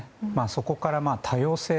そこから多様性